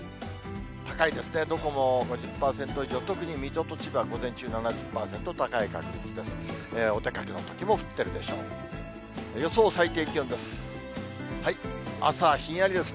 高いですね、どこも５０％以上、特に水戸と千葉、午前中７０％、高い確率です。